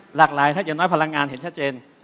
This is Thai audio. หลากหลายถ้าอย่างน้อยพลังงานเห็นชัดเจน